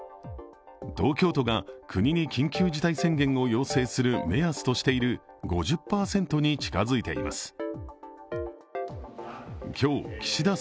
東京都が国に緊急事態宣言を要請する目安としている５０％に近づいています。